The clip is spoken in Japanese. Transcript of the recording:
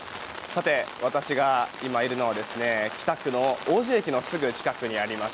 私が今いるのは北区の王寺駅のすぐ近くにあります